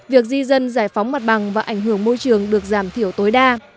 việc di dân giải phóng mặt bằng và ảnh hưởng môi trường được giảm thiểu tối đa